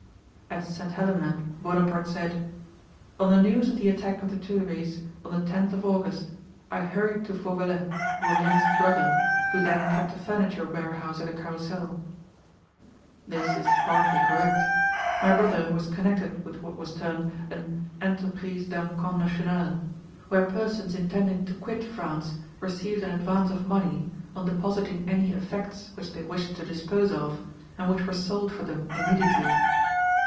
At St. Helena Bonaparte said, "On the news of the attack of the Tuilleries, on the 10th of August, I hurried to Fauvelet, Bourrienne's brother, who then kept a furniture warehouse at the Carrousel." This is partly correct. My brother was connected with what was termed an 'enterprise d'encan national', where persons intending to quit France received an advance of money, on depositing any effects which they wished to dispose of, and which were sold for them immediately.